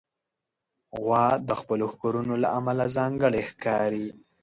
غوا د خپلو ښکرونو له امله ځانګړې ښکاري.